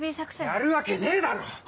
やるわけねえだろ！